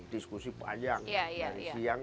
diskusi panjang dari siang